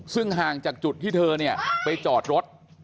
ซึ่งห่างจากจุดที่เธอไปจอดรถ